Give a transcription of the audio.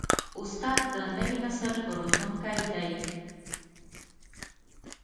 استاد د نوي نسل روزونکی دی.